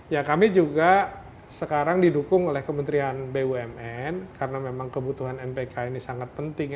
ya kami juga sekarang didukung oleh kementerian bumn karena memang kebutuhan mpk ini sangat penting